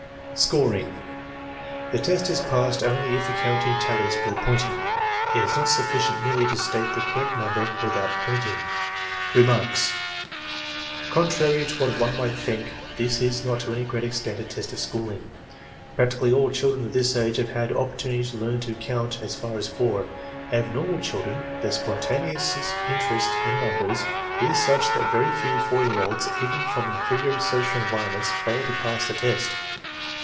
Scoring. The test is passed only if the counting tallies with the pointing. It is not sufficient merely to state the correct number without pointing. Remarks. Contrary to what one might think, this is not to any great extent a test of " schooling." Practically all children of this age have had opportunity to learn to count as far as four, and with normal children the sponta neous interest in number is such that very few 4 year olds, even from inferior social environment, fail to pass the test.